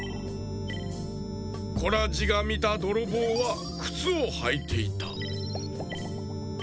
コラジがみたどろぼうはくつをはいていた。